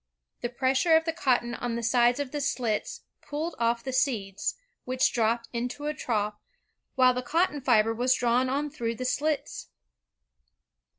The pressure of the cotton on the sides of the slits pulled off the seeds, which dropped into a trough, while the cotton fiber was drawn on through the slits.